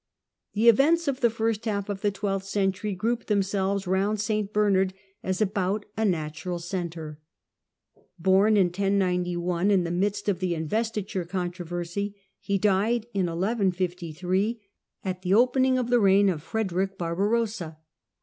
The events of the first half of the twelfth century group themselves round St Bernard as about a natural centre. Born in 1091, in the midst of the investiture controversy, he died in 1153, at the opening of the reign of Frederick Barbarossa.